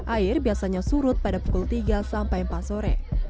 air biasanya surut pada pukul tiga sampai empat sore